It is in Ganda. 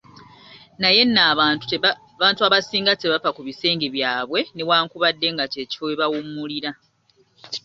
Naye nno abantu abasinga tebafa ku bisenge byabwe newankubadde nga kye kifo we bawummulira.